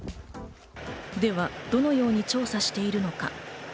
では、どのように調査しているのか。